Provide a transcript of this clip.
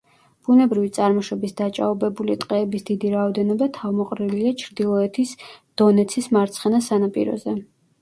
ბუნებრივი წარმოშობის დაჭაობებული ტყეების დიდი რაოდენობა თავმოყრილია ჩრდილოეთის დონეცის მარცხენა სანაპიროზე.